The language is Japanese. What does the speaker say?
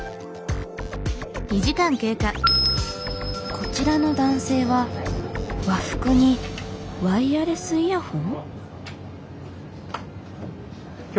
こちらの男性は和服にワイヤレスイヤホン？